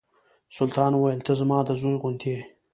سلطان ویل ته زما د زوی غوندې یې.